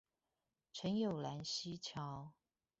陳有蘭溪橋